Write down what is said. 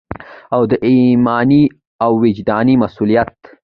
او دا ایماني او وجداني مسؤلیت